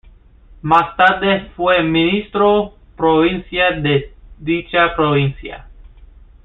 Más tarde fue ministro provincial de dicha provincia.